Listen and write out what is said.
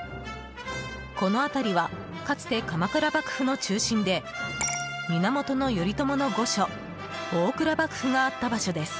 この辺りはかつて鎌倉幕府の中心で源頼朝の御所大倉幕府があった場所です。